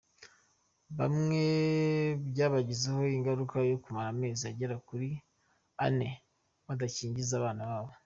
Bamwe byabagizeho ingaruka yo kumara amezi agera kuri ane badakingiza abana babo.